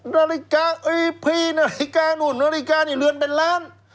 นาฬิกาอีพีนาฬิกานู่นนาฬิกานี่เรือนเป็นล้าน